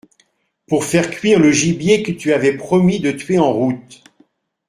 Pour faire cuire le gibier que tu avais promis de tuer en route.